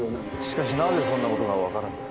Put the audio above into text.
しかしなぜそんなことが分かるんです？